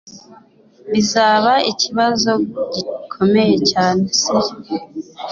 Bizaba ikibazo gikome cyane sibyo